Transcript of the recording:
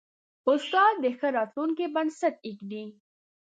استاد د ښه راتلونکي بنسټ ایږدي.